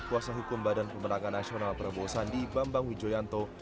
kuasa hukum badan pemenangan nasional prabowo sandi bambang wijoyanto